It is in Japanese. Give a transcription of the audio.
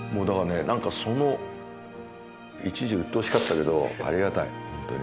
その一時うっとうしかったけどありがたい本当に。